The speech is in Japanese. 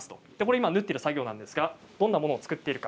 今は縫っている作業なんですがどんなものを作っているか。